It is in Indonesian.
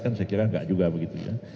saya kira tidak juga begitu ya